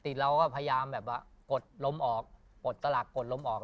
ติดแล้วก็พยายามกดล้มออกกดตระหลักกดล้มออก